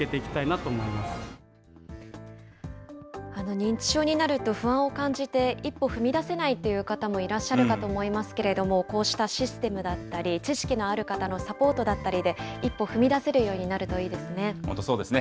認知症になると、不安を感じて、一歩踏み出せないという方もいらっしゃるかと思いますけれども、こうしたシステムだったり、知識のある方のサポートだったりで、一歩踏み出せるようになるといいですね。